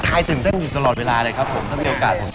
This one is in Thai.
ตื่นเต้นอยู่ตลอดเวลาเลยครับผมถ้ามีโอกาสผม